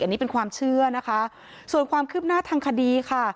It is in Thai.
อันนี้เป็นความเชื่อนะคะส่วนความคืบหน้าทางคดีค่ะ